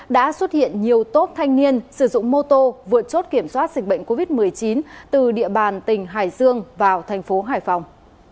đã xuất hiện nhiều tốp thanh niên sử dụng mô tô vượt chốt kiểm soát dịch bệnh covid một mươi chín từ địa bàn tỉnh hải dương vào thành phố hải phòng